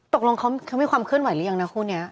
ตกลงเขามีความเคลื่อนไหวหรือยังนะคู่นี้